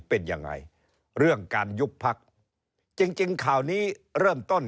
เป็นยังไงเรื่องการยุบพักจริงจริงข่าวนี้เริ่มต้น